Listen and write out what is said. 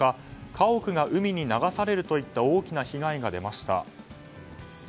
家屋が海に流されるといった大きな被害が出ました。